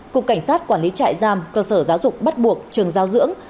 cục cảnh sát quản lý trại giam cơ sở giáo dục bắt buộc trường giao dưỡng